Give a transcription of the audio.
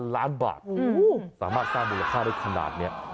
ล้านบาทสามารถสร้างมูลค่าได้ขนาดนี้